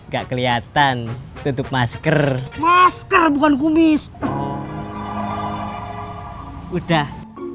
gak kelihatan tutup masker masker bukan kumis udah